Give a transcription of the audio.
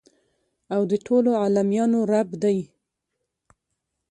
او د ټولو عالميانو رب دى.